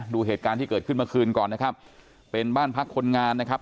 ดูเหตุการณ์ที่เกิดขึ้นเมื่อคืนก่อนนะครับเป็นบ้านพักคนงานนะครับ